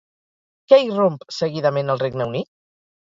Què irromp, seguidament, al Regne Unit?